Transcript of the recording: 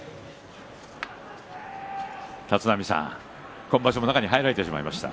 立浪さん、今場所も中に入られてしまいました。